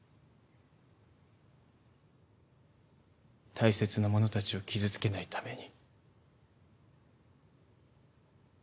大切な者たちを傷つけないために。